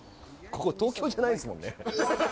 ここ、東京じゃないですもんね。